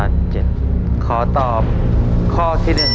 วันนี้มีชื่อเพลงของวงโรโซทั้งหมดกี่เพลง